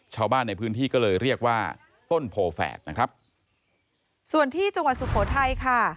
ชาวบ้านในพื้นที่ก็เลยเรียกว่าต้นโพแฝดนะครับส่วนที่จังหวัดสุโขทัยค่ะ